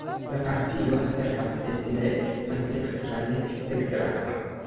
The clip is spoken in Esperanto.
La partio asertas esti nek maldekstra nek dekstra.